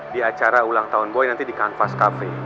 di acara ulang tahun boy nanti di kanvas cafe